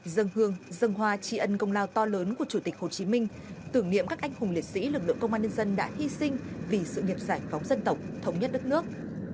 dân hương dân hoa tri ân công lao to lớn của chủ tịch hồ chí minh tưởng niệm các anh hùng liệt sĩ lực lượng công an nhân dân đã hy sinh vì sự nghiệp giải phóng dân tộc thống nhất đất nước